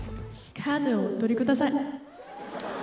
カードをお取りください？